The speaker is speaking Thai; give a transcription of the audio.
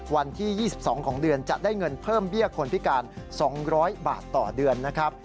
วันที่๒๒ของเดือนจะได้เงินเพิ่มเบี้ยคนพิการ๒๐๐บาทต่อเดือนนะครับ